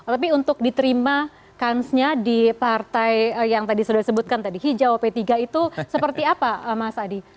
tapi untuk diterima kansnya di partai yang tadi sudah disebutkan tadi hijau p tiga itu seperti apa mas adi